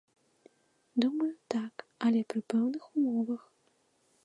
Думаю, так, але пры пэўных умовах.